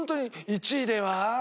「１位では」。